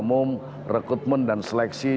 umum rekrutmen dan seleksi